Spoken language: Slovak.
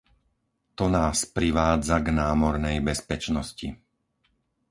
To nás privádza k námornej bezpečnosti.